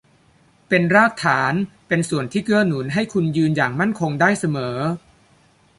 เป็นรากฐานเป็นส่วนที่เกื้อหนุนให้คุณยืนอย่างมั่นคงได้เสมอ